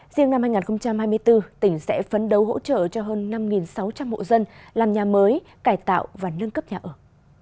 riêng năm hai nghìn hai mươi bốn tỉnh sẽ phấn đấu hỗ trợ cho hơn năm sáu trăm linh hộ dân làm nhà mới cải tạo và nâng cấp nhà ở